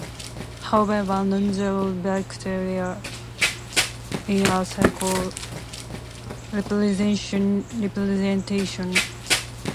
However, non-zero vectors in a cyclic representation may fail to be cyclic.